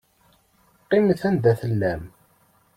Qqimet anda tellam.